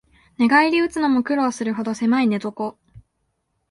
寝返りうつのも苦労するほどせまい寝床